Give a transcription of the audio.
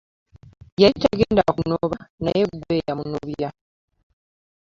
Yali tagenda kunoba naye ggwe wamunobya.